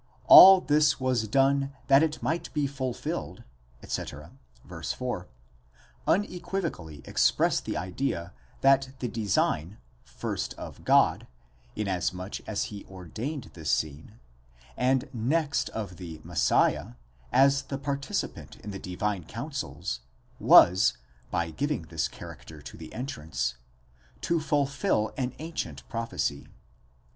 All this was done that it might be fulfilled, etc. (v. 4), unequivocally express the idea that the design, first of God, inasmuch as he ordained this scene, and next of the Messiah, as the participant in the Divine counsels, was, by giving this character to the entrance, to fulfil an ancient prophecy.